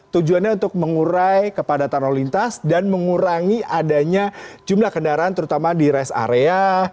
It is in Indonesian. tujuannya untuk mengurai kepadatan lalu lintas dan mengurangi adanya jumlah kendaraan terutama di rest area